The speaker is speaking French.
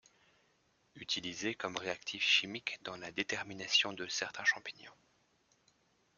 Utilisée comme réactif chimique dans la détermination de certains champignons.